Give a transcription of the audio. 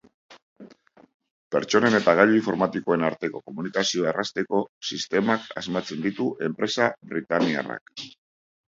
Pertsonen eta gailu informatikoen arteko komunikazioa errazteko sistemak asmatzen ditu enpresa britainiarrak.